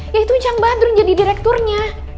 yaitu cang badrun jadi direkturnya